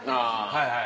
はいはい。